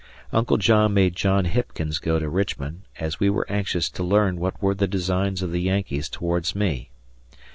Uncle John made John Hipkins go to Richmond, as we were anxious to learn what were the designs of the Yankees towards me.